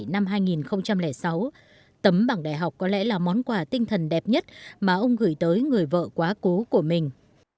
năm hai nghìn sáu tấm bảng đại học có lẽ là món quà tinh thần đẹp nhất mà ông gửi tới người vợ quá cố của mình